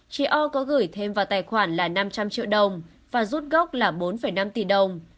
chị o có gửi thêm vào tài khoản là năm trăm linh triệu đồng và rút gốc là bốn năm tỷ đồng